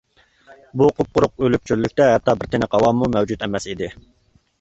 بۇ قۇپقۇرۇق ئۆلۈك چۆللۈكتە ھەتتا بىر تىنىق ھاۋامۇ مەۋجۇت ئەمەس ئىدى.